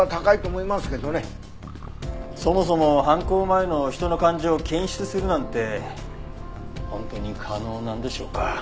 そもそも犯行前の人の感情を検出するなんて本当に可能なんでしょうか？